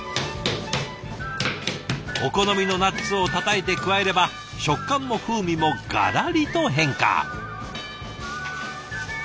お好みのナッツをたたいて加えれば食感も風味もガラリと変化。